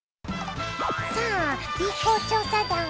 さあＢ公調査団。